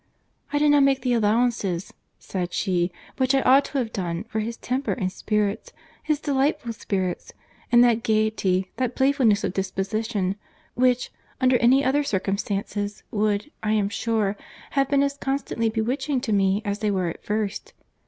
'I did not make the allowances,' said she, 'which I ought to have done, for his temper and spirits—his delightful spirits, and that gaiety, that playfulness of disposition, which, under any other circumstances, would, I am sure, have been as constantly bewitching to me, as they were at first.